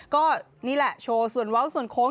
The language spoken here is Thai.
ก็นี่แหละโชว์ส่วนเว้าส่วนโค้ง